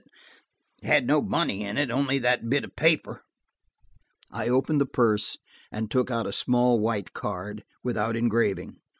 It had no money in it–only that bit of paper." I opened the purse and took out a small white card, without engraving.